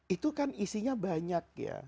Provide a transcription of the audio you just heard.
itu kan isinya banyak ya